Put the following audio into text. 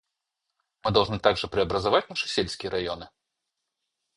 Мы должны также преобразовать наши сельские районы.